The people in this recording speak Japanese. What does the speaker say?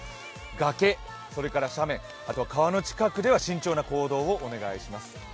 崖、斜面、川の近くでは慎重な行動をお願いします。